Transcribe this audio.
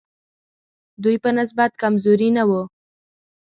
دوی په نسبت کمزوري نه وو.